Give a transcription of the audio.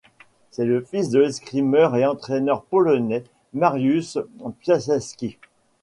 C'est le fils de l'escrimeur et entraîneur polonais Mariusz Piasecki.